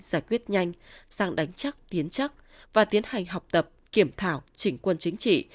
giải quyết nhanh sang đánh chắc tiến chắc và tiến hành học tập kiểm thảo chỉnh quân chính trị